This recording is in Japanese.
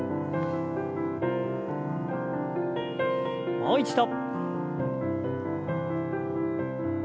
もう一度。